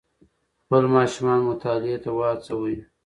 خپل ماشومان مطالعې ته وهڅوئ.